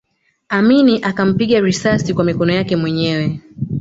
Amin akampiga risasi kwa mikono yake mwenyewe